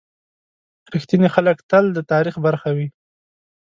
• رښتیني خلک تل د تاریخ برخه وي.